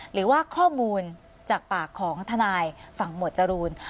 หรือว่าข้อมูลจากปากของทนายฝั่งหมวดจรูน